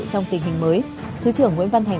trong tình hình mới thứ trưởng nguyễn văn thành